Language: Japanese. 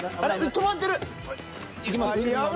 止まってる。